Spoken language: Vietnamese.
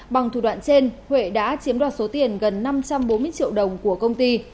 bằng thủ đoạn trên huệ đã chiếm đoạt số tiền gần năm trăm bốn mươi triệu đồng của công ty